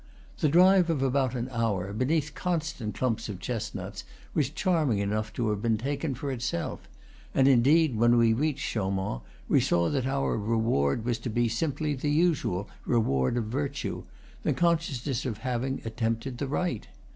The drive of about an hour, beneath constant clumps of chestnuts, was charming enough to have been taken for itself; and indeed, when we reached Chaumont, we saw that our reward was to be simply the usual reward of virtue, the consciousness of having attempted the right.